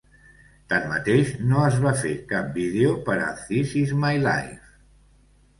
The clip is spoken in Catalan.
Tanmateix no es va fer cap vídeo per a "This Is My Life".